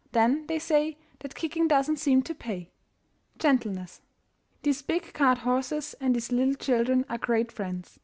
Then they say That kicking doesn't seem to pay. GENTLENESS. These big carthorses and these little children are great friends.